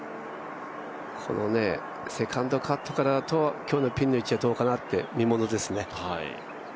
このセカンドカットからだと今日のピンの位置はどうかなと、見ものですね。